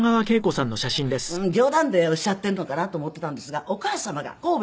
初め私が冗談でおっしゃってんのかなと思っていたんですがお母様が神戸で。